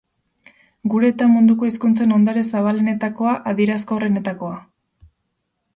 Gure eta munduko hizkuntzen hondare zabalenetakoa, adierazkorrenetakoa.